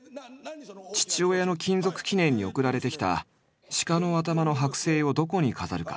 父親の勤続記念に送られてきた鹿の頭のはく製をどこに飾るか？